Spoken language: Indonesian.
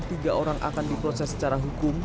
tiga orang akan diproses secara hukum